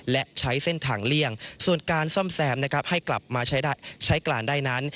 และใช้เส้นทางเลี่ยงส่วนการซ่อมแซมนะครับให้กลับมาใช้การได้นั้น